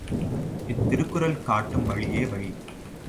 இத்திருக்குறள் காட்டும் வழியே வழி.